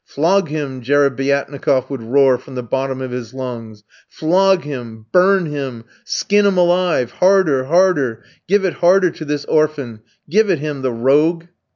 "Flog him," Jerebiatnikof would roar from the bottom of his lungs, "flog him! burn him! skin him alive! Harder! harder! Give it harder to this orphan! Give it him, the rogue."